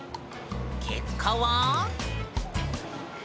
結果は。